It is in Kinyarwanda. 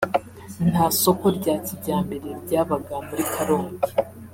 “Nta soko rya kijyambere ryabaga muri Karongi